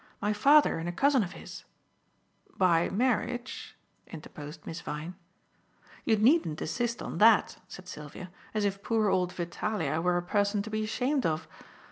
My father and a cousin of his " "By marriage," interposed Miss Vyne. "You needn't insist on that," said Sylvia, "as if poor old Vitalia were a person to be ashamed of.